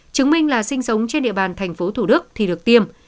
chứng minh là sinh sống trên địa bàn tp hcm thì được tiêm